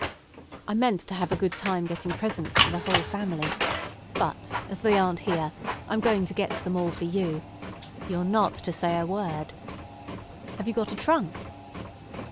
"I meant to have a good time getting presents for the whole family; but, as they aren't here, I'm going to get them all for you. You're not to say a word. Have you got a trunk?"